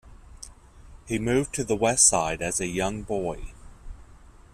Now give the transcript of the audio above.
He moved to the West Side as a young boy.